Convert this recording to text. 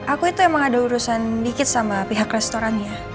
aku itu emang ada urusan dikit sama pihak restorannya